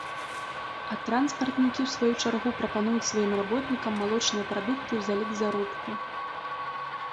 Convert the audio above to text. А транспартнікі ў сваю чаргу прапануюць сваім работнікам малочныя прадукты ў залік заробку.